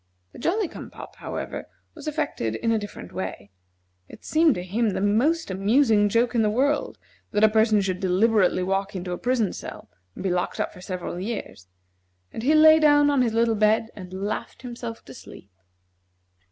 The Jolly cum pop, however, was affected in a different way. It seemed to him the most amusing joke in the world that a person should deliberately walk into a prison cell and be locked up for several years; and he lay down on his little bed and laughed himself to sleep.